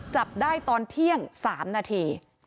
จับได้ตอนเที่ยง๓นาที